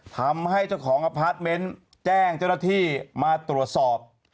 ทำให้เจ้าของอพาร์ทเมนต์แจ้งเจ้าหน้าที่มาตรวจสอบ